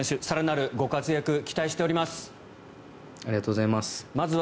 更なるご活躍を期待しております。